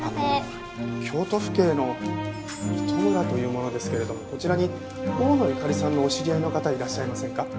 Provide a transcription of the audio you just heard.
あの京都府警の糸村という者ですけれどもこちらに大野ゆかりさんのお知り合いの方いらっしゃいませんか？